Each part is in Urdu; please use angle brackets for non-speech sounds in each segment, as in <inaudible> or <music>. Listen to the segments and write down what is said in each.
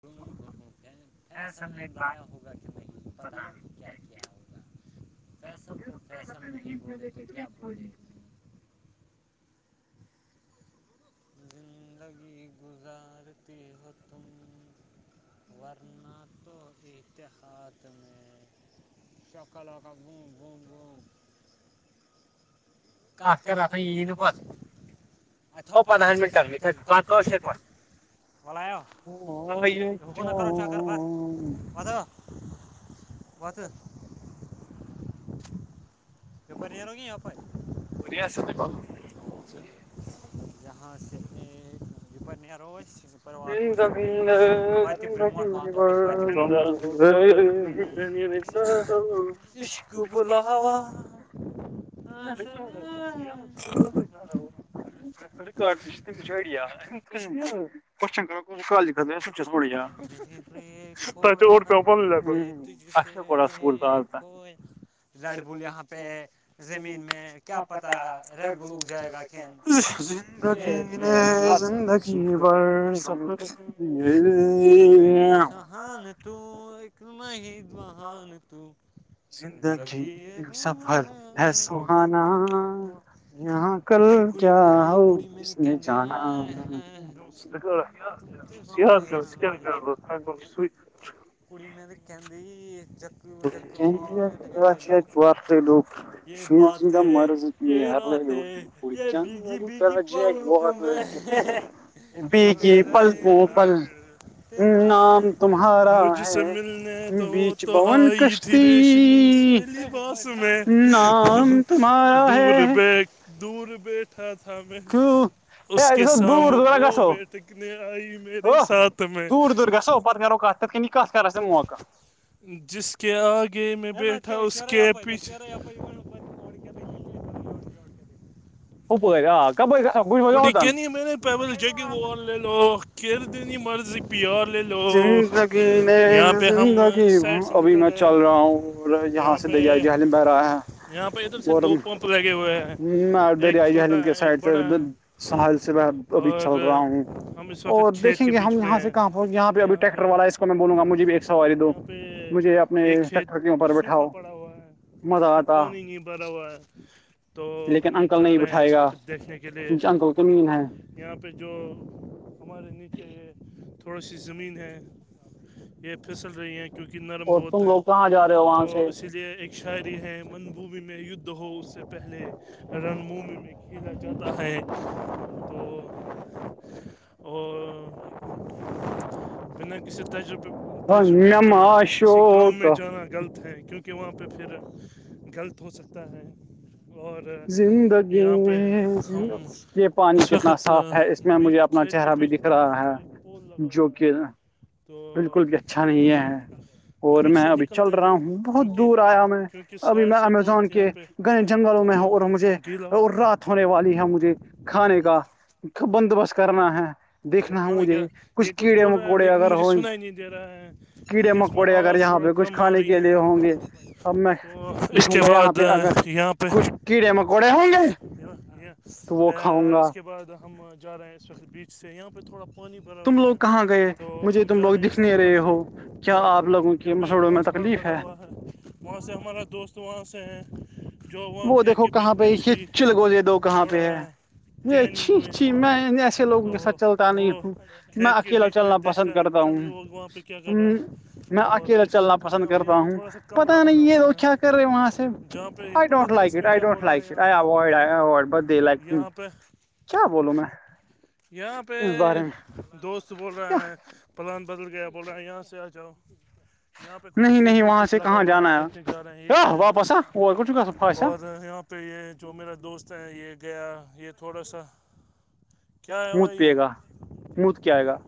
توں فصل نے لایا ہوگا کہ نہیں پتاہ نہیں کیا کیا ہوگا فیصل کو فیصل نہیں بولے تو کیا بولے زندگی گزارتی ہو تم ورنہ تو اتحاد میں چک لو کاا گ گ <unintelligible> آ کر ر ن پت گ پندہن منٹن میں کوش پت بلاؤ حکن نہ کرو چکر پت بتو وات <unintelligible> پورر نو کہن پور بیا س دپا <unintelligible> جہاں سے یہپر نرو بند بندند <unintelligible> ہ کشکو بولا ہا <unintelligible> <inaudible> ریکارڈ آئیڈیا <unintelligible> کوشچن کر کو کالج کر سچوڑی جا <unintelligible> تو تو وہ پپول ل آے پاس بولتا آتا <unintelligible> ج گو کو زمین میں کیا پتا ہے ج گو ج بھائی <unintelligible> زندگی نے زندگی ب زی <inaudible> زندگی سہان تو ایک م ہی مہان تو زندگی ایک سفر ہے سہانا یہاں <unintelligible> کل کیا ہو ک نے جانا <unintelligible> س س <unintelligible> کڑی میں تو کہند ج <unintelligible> ور ل ش سےدہ مرض ڑ ج ب <unintelligible> پی کی پل پو پل <unintelligible> مجھ سے ملنے تو وہ تو <unintelligible> آئی تھی ریشمی سیلی باس میں دور بی <unintelligible> دور بیٹھا تھا میں <unintelligible> اس کے سام وہ بیٹھکنے آئی میرے ساتھ میں پت کر ک کنی کی کھ کراس میں مقہ جس کے آگے میں بیٹھا اس کے پچھ اپا آ ک کٹ کہنی ہے میں نے پیل جگ وہ لے لو کہر دین مرض زندگی زندگی ابھی میں چل رہا ہوں اور یہاں سے دے جائے گ حم بہرا ہے اور ہ ا دریا کے سائڈ سے اد سحل سے میں ابھی چل رہا ہوں اور دیکھیں گے ہم یہاں سے کہاں اور یہاں پہ اب ٹریکٹر والا اس کو میں بولوں گا مجھے بھی ایک سواری دو مجھے اپنے ٹیکٹر کے اوپر بیٹھاؤ پڑا ہوا ہے اسھر پانی نہیں بھرا ہوا ہے تو ہم جا رہے ہیں اس وقت دیکھنے کے لیے انکل کے مین ہے یہاں پہ جو ہمارے نیچے یہ تھوڑا سی زمین ہے یہ پھسل رہی ہیں کیونکہ نرم بہت ہیں تو اسی لیے ایک شہعری ہیں من بھومی میں یدھ ہو اس سے پہلے رن بھومی میں کھیلا جاتا ہے تو اور پ نے کسی طرق تجربے کے کسی کام میں جانا غلط ہے کیونکہ کہ وہاں پہ پھر غلط ہو سکتا ہے اور یہاں پہ ہم یہ پانی کتنا صاف ہے اس میں مجھے اپنا چہرہ بھی دکھ رہا ہے جو کہ بالکل بھی اچھا نہیں ہے اور میں ابھی چل رہا ہوں بہت دور آیا میں ابھی میں امیزون کے گئے جنگلوں میں ہوں اور مجھے رات ہونے والی ہے مجھے کھانے کا بندوبست کرنا ہے دیکھنا ہے مجھے کچھ کیڑے مکوڑے اگر ہ گ کیڑے مکوڑے اگر یہاں پہ کچھ کھانے کے لیے ہوں گے اب میں دیکھوں گا یہاں پہ اگر کچھ کی کیڑے مکوڑے ہوں گے تو وہ کاؤں گا بعد ہم جا رہے ہیں اس وقت بیچ سے یہاں پہ تھوڑا پانی بھرا ہوا ہے تو ہم جا رہے ہیں اس کے اوپر سے اور یہاں پہ ایک ٹرانسفارم لگا ہوا ہے وہاں سے ہمارا دوست وہاں سے ہیں وہ دیکھو کہاں پہ یہ چلگو لے دو کہاں پہ ہے یہ چھی چھی میںس لوگوں کے ساتھ چلتا نہیں ہوں میں اکیلا چلنا پسند کرتا ہوں ہ میں اکیلا چلنا پسند کرتا ہوں پتا نہیں ہے وہ کیا کر رہے وہاں سے I don't like it I did ل بے کیا بولو نا یہاں پہ دوست بول رہا ہے پلان بدل گیا بول رہا ہے یہاں سے آ جاؤ یہاں پہ کچھ کھیت میں کچھ لگا ہوا ہے دیکھنے جا رہے ہیں ایک ہے بسا ا ککتھ گس فیصل تو یہ جو میرا دوست ہے یہ گیا یہ تھوڑا سا کیا ہے وہ یہ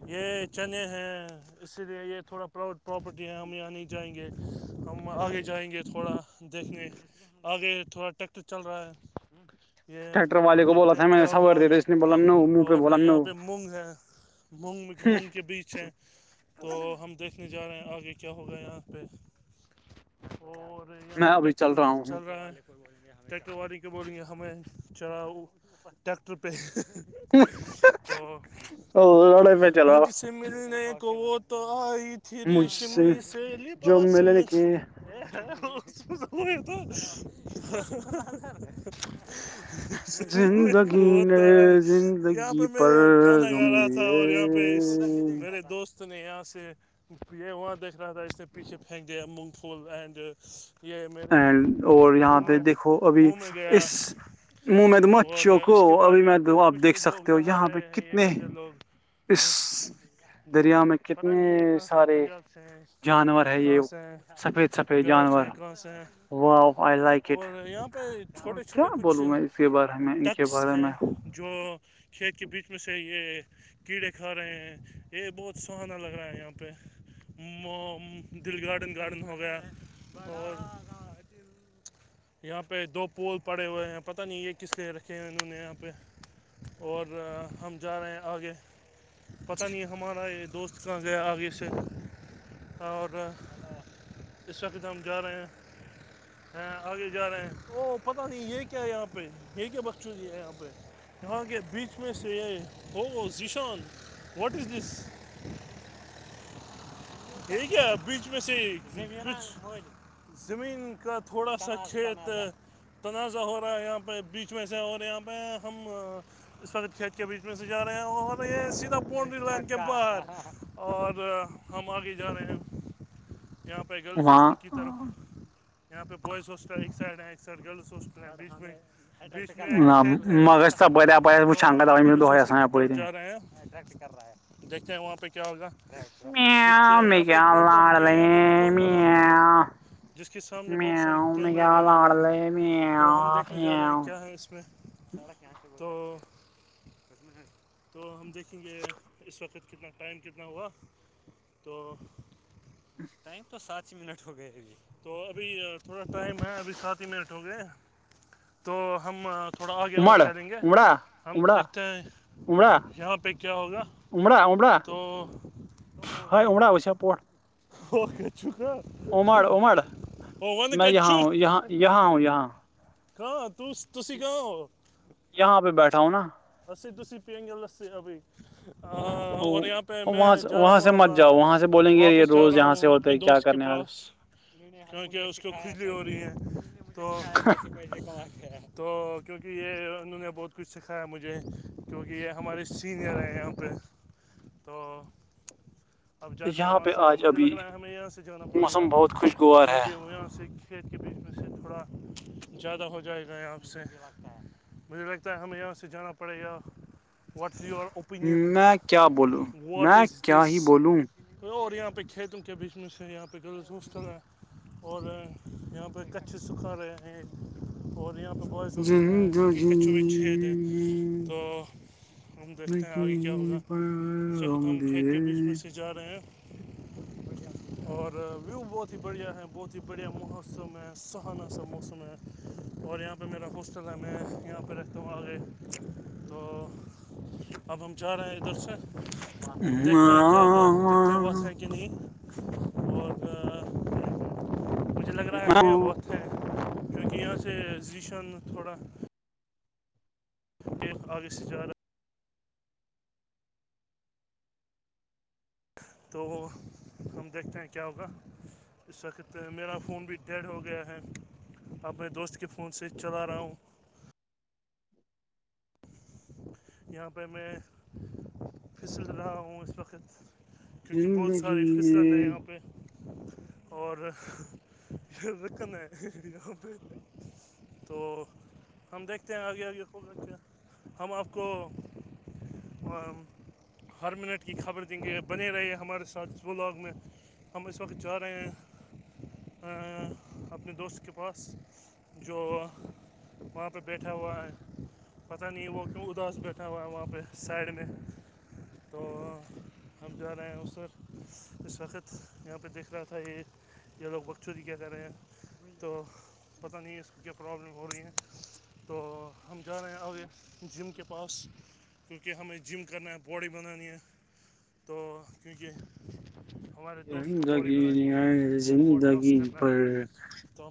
یہ چنے ہیں اسی لیے یہ تھوڑا پر پراپرٹی ہے ہم یہاں نہیں جائیں گے ہم آگے جائیں گے تھوڑا دیکھنے آگے تھوڑا ٹریکٹر چل رہا ہے ٹریکٹر والے کو بولا تھا میں سور دی اس نے بولا ن اور یہاں پہ مونگ ہے مونگ مونگ کے بیچ ہیں تو تو ہم دیکھنے جا رہے ہیں آگے کیا ہوگا یہاں پہ اور یہاں پہ ٹریکٹر چل رہا ہے ٹریکٹر والی کے بول رہ ہیں ہمیں چلا ٹیکٹر پہ ا لڑ پہ چلاا سے ملنے کو وہ تو آئی تھی رشمی سےی لباس میں ا س سم تو کر شریر میں ہوتا ہے یہاں پہ میں گانا گا رہا تھا اور یہاں پہ اسح میرے دوست نے یہاں سے یہ وہاں دچ رہاتھ تھا ا اس سے پچھے پھینک دے ہیں مونگ پھول اینڈ این اور یہاں پہ دیکھو ابھی اس منہ میں تومچوں کو ابھی میں آپ دیک یک سکتے ہو یہاں پہ کتنے اس دریا میں کتنے سارے جانور ہے یہ سفید سفید جانور واہ آئی لائک اٹ کیا بولوں میں اس کے بارے میں ہیں جو کھیت کے بیچ میں سے یہ کیڑے کھا رہے ہیں یہ بہت سہانا لگ رہا ہے یہاں پہ دل گارڈن گارڈن ہو گیا اور یہاں پہ دو پول پڑے ہوئے ہیں پتہ نہیں یہ کس لیے رکھے ہیں انہوں نے یہاں پہ اور ہم جا رہے ہیں آگے پتہ نہیں ہے ہمارا یہ دوست کہ گیا آگے سے اور اس وقت تو ہم جا رہے ہیں آگے جا رہے ہیں او پتاہ نہیں یہ کیا یہاں پہ یہ کیا بخ چز ہے یہاں پہ کیاگ بیچ میں سے یہ ہو ذیشان واٹ از دس یہ کیا بیچ میں سے زمین کا تھوڑا سا کھیت تنازع ہو رہا ہے یہاں پہ بیچ میں سے اور یہاں پہ ہم اس وقت کھیت کے بیچ میں سے جا رہے ہیں اور رہے یہ سیدھا پن لن کے باہر اور ہم آگے جا رہے ہیں یہاں پہ گرلز ہاسٹل کی طرف یہاں پہ بوائز ہاسٹل ایک سائڈ ہے ایک سائڈ گرلز ہاسٹل ہے بیچ میں <unintelligible> <unintelligible> ہیں اٹریکٹ کر رہا ہے دیکھتے ہیں وہاں پہ کیا ہوگا کچھ یہاں پہ ایک پراپرٹی ہے یہاں پہ مکان بنا ہوا ہے جس کے سامنے بہت سارے کیمرے لگے ہوئے ہیں تو ہم دیکھنے جا رہے ہیں کیا ہے اس میں تو تو ہم دیکھیں گے اس وقت کتنا ٹائم کتنا ہوا تو ٹائم تو سات پچی منٹ ہو گئے ا تو ابھی تھوڑا ٹائم ہے ابھی سات ہی منٹ ہو گئے تو ہم تھوڑا آگے اور چلیں گے ہم دیکھتے ہیں یہاں پہ کیا ہوگا تو ہ امڑا وسیا پوٹ وہ ککا وہ وند کۃ چک یہاں یہاں آ یہاں کہاں ت تسی کہ ہو یہاں پہ بیٹھا ہوں نا اسھ دوسی پین گل ل سے ابھھی اور یہاں پہ میں جا رہا ہوں اب واپس جا رہا ہوں اپنے دوست کے پاس کیونکہ اس کو کلی ہو رہی ہے تو تو کیونکہ یہ انہوں نے بہت کچھ سکھایا مجھے کیونکہ یہ ہمارے سینئر ہیں یہاں پہ تو اب جاتے ہیں وہاں سے مجھے لگ رہا ہے ہمیں یہاں سے جانا پڑے گا کیونکہ وہ یہاں سے کھیت کے بیچ میں سے تھوڑا زیادہ ہو جائے گا آپ سے مجھے لگتا ہے ہمیں یہاں سے جانا پڑے گا what is your opinion what is this توئی اور یہاں پہ کھیتوں کے بیچ میںس سے یہاں پہ گسٹر ہے اور یہاں پہ کچے سکھا رہے ہیں اور یہاں پہ بہت سے دوستر ہیں جن کے کچوں میں چھید ہیں تو ہم دیکھتے ہیں آگے کیا ہوگا اس وقت ہم کھیت کے بیچ میں سے جا رہے ہیں اور ویو بہت ہی بڑھیا ہے بہت ہی بڑھیا مہوسم ہے سہانا سا موسم ہے اور یہاں پہ میرا گغش تھا میں یہاں پہ رہتا ہوں آگے تو اب ہم جا رہے ہیں ادھر سے دیکھتے ہیں کیا گا دیکھ تو وت ہے کہ نہیں اور مجھے لگ رہا ہے ہیں بہت ہے کیونکہ یہاں سے ذیشان تھوڑا ب اگست گیارہ تو ہم دیکھتے ہیں کیا ہوگا اس و کہتے میرا فون بھی ڈیڈ ہو گیا ہے اپنے دوست کے فون سے چلا رہا ہوں یہاں پہ میں پھسل رہا ہوں اس وقت کیونکہ بہت ساری پسلن ہے یہاں پہ اورکھنایں تو ہم دیکھتے ہیں آگے آگے خھو کر کے ہم آپ کو ہر منٹ کی خبر دیں گے بنے رہے ہمارے ساتھ بلاگ میں ہم اس وقت جا رہے ہیں اپنے دوست کے پاس جو وہاں پہ بیٹھا ہوا ہے پتہ نہیں وہ کیوں ادا سے بیٹھا ہوا ہے وہاں پہ سائڈ میں تو ہم جا رہے ہیں اس سر اس وقت یہاں پہ دیکھ رہا تھا یہ یہ لوگ بچوں کی کیا کر رہے ہیں تو پتہ نہیں اس کیا پرابلم ہو رہی ہیں تو ہم جا رہے ہیں آ آگے جم کے پاس کیونکہ ہمیں جم کرنا ہے باڈی بنانی ہے تو کیونکہ ہمارے دوست کو باڑی بنانی ہے ہمیں فاٹ لاس کرنا ہے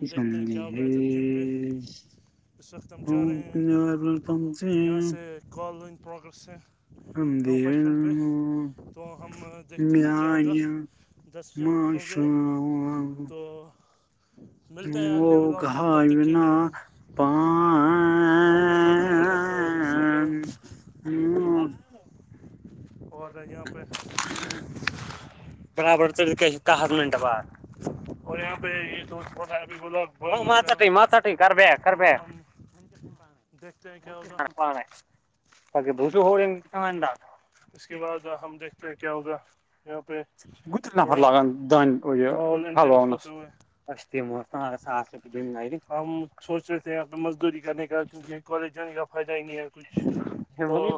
سمج ہے ہ تچی کالون پرروگریس ہم د تو ہم دیکھتے ہیں کیا ہوگا مش ملتے ہیں اگلے بلاگ میں تب تک کے لیئے اپنے پر کمبل رکھو اور سو جاؤ ہوں اور یہاں پہ برابر دس منٹ بعد اور یہاں پہ یہ دوستتابھیولب وہ ماتا ت ماتاٹ کر بی کر بی ہم کان ہے <inaudible> پ بق بھشو ہو ح گتل نفر لگان دان ا اواؤ نسو اچے متم ہمارا س دن نہیں ہم سوچ رہ تھے مزدوری کرنے کاتےے پ جن جکا جائے نہیں آ تو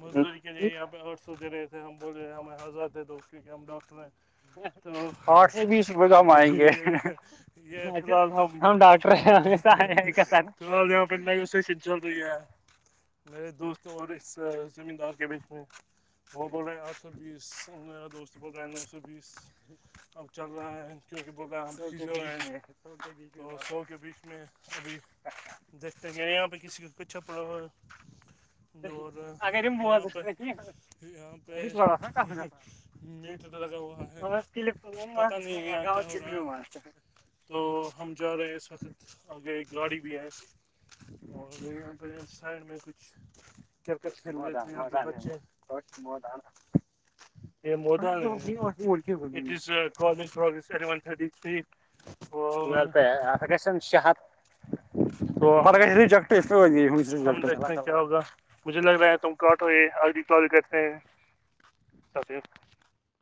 مزدوری کے لیے یہاں پہ آٹھ سو د رہے ہم بول رہے ہمیں حضرات ہے تو کیونکہ ہم ڈاکٹر ہیں تو یہ یہ فی الحال ہم ڈاکٹر س پ رہی ہے میرے دوست اور اس زمین دار کے بیچ میں <inaudible> وہ بول رہے ہیں آٹھ سو بیس میرا دوست بول رہے ہیں نو سو بیس اب چل رہا ہے کیوںکہ بول رہے ہے بی اور سو کے بیچ میں ابھی <inaudible> دیکھتے ہیں یہاں پہ کسی کے چھپڑ ہو جوور یہاں پہ یہاں پہ <inaudible> میٹ لگا ہوا ہے پت نہیں یہاں کیا ہو رہا ہے تو ہم جا رہے ہیں اس وقت آگے گاڑی میں <inaudible> سائڈ میں کچھ <inaudible> م <inaudible> گ چ ہت <inaudible> تو ہم جیکٹ اس پہ ہو گئی <inaudible> دیکھتے ہیں کیا ہو گا مجھے لگ رہا ہے تم کاٹو یہ رکال کرتے ہیں <inaudible> سف <inaudible>